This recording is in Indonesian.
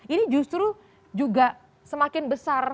ini justru juga semakin besar